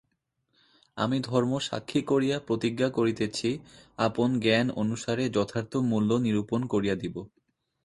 আমি ধর্ম সাক্ষী করিয়া প্রতিজ্ঞা করিতেছি আপন জ্ঞান অনুসারে যথার্থ মূল্য নিরূপণ করিয়া দিব।